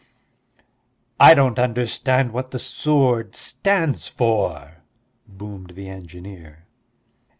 "I don't understand what the sword stands for," boomed the engineer.